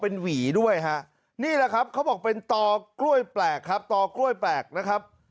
นี่แหละครับเค้าบอกเป็นตอกล้วยแปลกครับตอกล้วยแปลกนะครับ